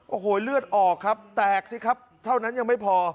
โอ้โหเลือดออกครับแตกสิครับเท่านั้นยังไม่พอ